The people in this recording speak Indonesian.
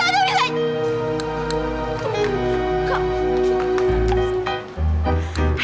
tuh tuh tuh